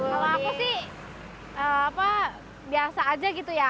kalau aku sih biasa aja gitu ya